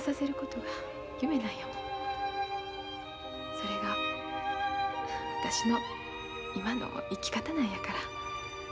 それが私の今の生き方なんやから。